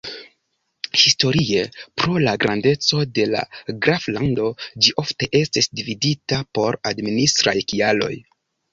Historie, pro la grandeco de la graflando, ĝi ofte estis dividita por administraj kialoj.